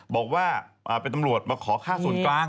บอกว่าเป็นตำรวจมาขอค่าส่วนกลาง